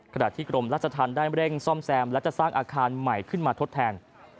ขณะที่กรมราชธรรมได้เร่งซ่อมแซมและจะสร้างอาคารใหม่ขึ้นมาทดแทน